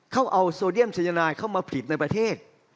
เขาเอาโซเดียมสัญญาณายเข้ามาผลิตในประเทศ